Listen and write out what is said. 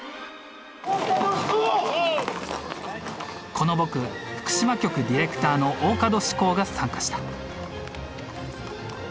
この僕福島局ディレクターの大門志光が参加した。